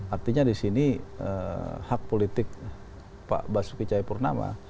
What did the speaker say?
artinya di sini hak politik pak basuki cahayapurnama